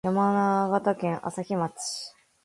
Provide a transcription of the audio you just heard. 山形県朝日町